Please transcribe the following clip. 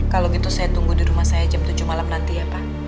kalau gitu saya tunggu di rumah saya jam tujuh malam nanti ya pak